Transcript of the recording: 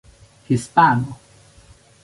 hispano